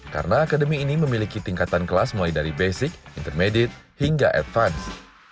karena akademi ini memiliki tingkatan kelas mulai dari basic intermediate hingga advanced